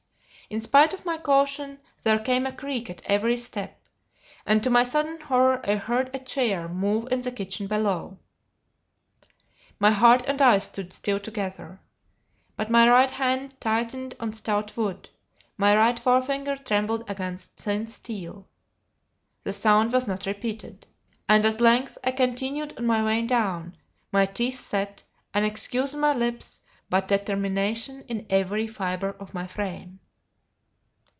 In spite of my caution there came a creak at every step. And to my sudden horror I heard a chair move in the kitchen below. My heart and I stood still together. But my right hand tightened on stout wood, my right forefinger trembled against thin steel. The sound was not repeated. And at length I continued on my way down, my teeth set, an excuse on my lips, but determination in every fibre of my frame.